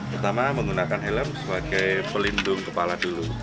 pertama menggunakan helm sebagai pelindung kepala dulu